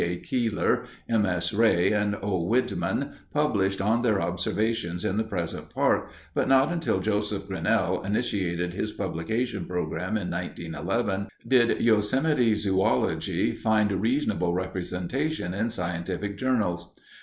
A. Keeler, M. S. Ray, and O. Widman, published on their observations in the present park, but not until Joseph Grinnell initiated his publication program in 1911 did Yosemite zoölogy find reasonable representation in scientific journals.